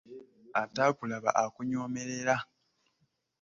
Ataakulaba akunyoomerera.